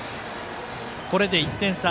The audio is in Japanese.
これで１点差。